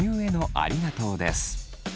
ありがとうです。